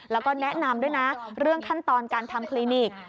แล้วก็แนะนำด้วยนะเรื่องขั้นตอนการทำคลินิก